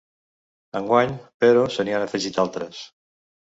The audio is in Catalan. Enguany, però se n’hi han afegit altres.